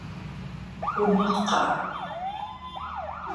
Умыгъ, кхъыӏэ.